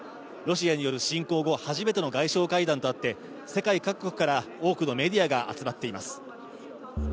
ロシアによる侵攻後、初めての外相会談とあって世界各国から多くのメディアが集まっています。